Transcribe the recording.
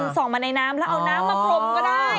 ส่องมาในน้ำแล้วเอาน้ำมาพรมก็ได้